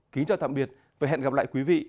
kính chào tạm biệt và hẹn gặp lại quý vị